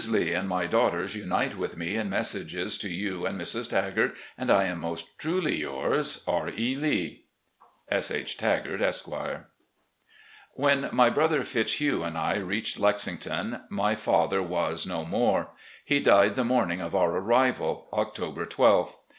Lee and my daughters tmite with me in messages to you and Mrs. Tagart, and I am most truly yours, R. E. Lee. "S. H. Tagart, Esq." When my brother Fitzhugh and I reached Lexington, my father was no more. He died the mo rning of our arrival — October 12th.